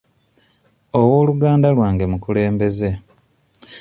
Ow'oluganda lwange mukulembeze.